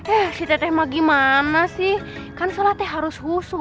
eh si teh mah gimana sih kan sholat teh harus husu teh